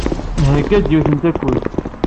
Nheyya-ak-d yiwet n takunt.